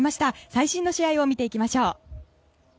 最新の試合を見ていきましょう。